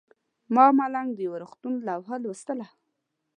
ما او ملنګ د یو روغتون لوحه لوستله.